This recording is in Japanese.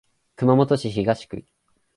熊本市東区